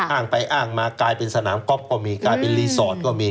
อ้างไปอ้างมากลายเป็นสนามก๊อฟก็มีกลายเป็นรีสอร์ทก็มี